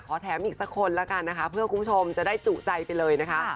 แถมอีกสักคนแล้วกันนะคะเพื่อคุณผู้ชมจะได้จุใจไปเลยนะคะ